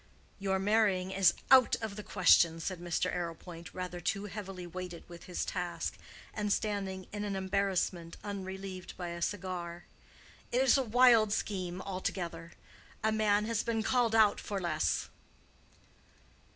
"Your marrying is out of the question," said Mr. Arrowpoint, rather too heavily weighted with his task, and standing in an embarrassment unrelieved by a cigar. "It is a wild scheme altogether. A man has been called out for less."